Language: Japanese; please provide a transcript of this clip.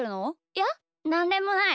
いやなんでもない。